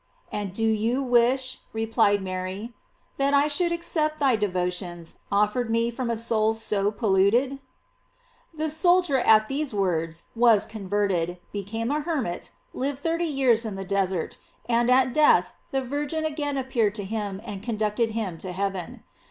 "And do you wish," replied Mary, "that I should accept thy devotions, offered me from a soul so polluted ?" The soldier, at these words, was converted, be came a hermit, lived thirty years in the desert, and at death the Virgin again appeared to him and conducted him to heaven.